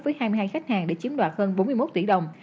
với hai mươi hai khách hàng để chiếm đoạt hơn bốn mươi một tỷ đồng